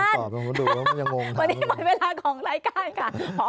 วันนี้หมดเวลาของรายการค่ะ